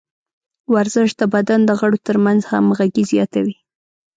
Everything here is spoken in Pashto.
ورزش د بدن د غړو ترمنځ همغږي زیاتوي.